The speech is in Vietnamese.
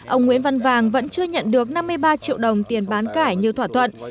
ông nguyễn văn vàng vẫn chưa nhận được năm mươi ba triệu đồng tiền bán cải như thỏa thuận